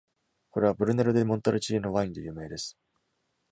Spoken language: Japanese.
これはブルネロ・ディ・モンタルチーノ・ワインで有名です。